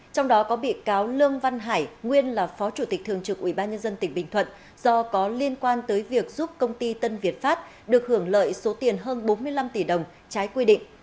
trong đó có bị cáo lương văn hải nguyên là phó chủ tịch thường trực ubnd tỉnh bình thuận do có liên quan tới việc giúp công ty tân việt pháp được hưởng lợi số tiền hơn bốn mươi năm tỷ đồng trái quy định